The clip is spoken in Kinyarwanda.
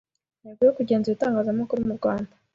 intego yo kugenzura itangazamakuru murwanda